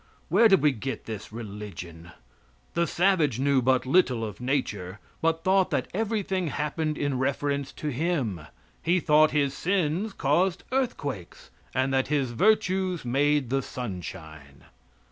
Where did we get this religion? The savage knew but little of nature, but thought that everything happened in reference to him. He thought his sins caused earthquakes, and that his virtues made the sunshine.